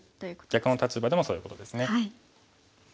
逆の立場でもそういうことですね。